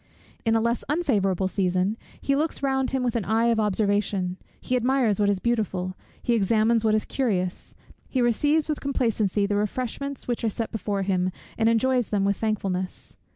In a less unfavourable season, he looks round him with an eye of observation; he admires what is beautiful; he examines what is curious; he receives with complacency the refreshments which are set before him, and enjoys them with thankfulness.